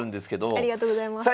おっありがとうございます。